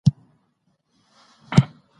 که څېړونکی پوهه ولري نو تفسیر به یې سم وي.